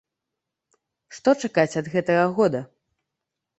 Што чакаць ад гэтага года?